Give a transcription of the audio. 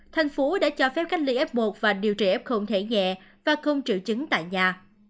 thành phố đã cho phép cách ly f một và điều trị f thể nhẹ và không triệu chứng tại nhà